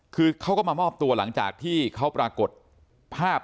คือเขาก็มามอบตัวหลังจากที่เขาปรากฏภาพ